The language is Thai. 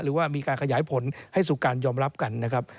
หรือว่ามีการขยายผลให้สู่การยอมรับกันนะครับ